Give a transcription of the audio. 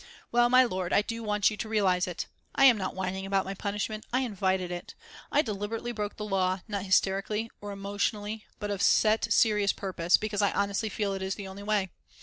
"Well, my lord, I do want you to realise it. I am not whining about my punishment, I invited it. I deliberately broke the law, not hysterically or emotionally, but of set serious purpose, because I honestly feel it is the only way.